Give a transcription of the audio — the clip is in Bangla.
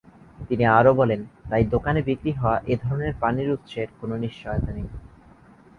তিনি আরও বলেন,'তাই দোকানে বিক্রি হওয়া এ-ধরনের পানির উৎসের কোন নিশ্চয়তা নেই।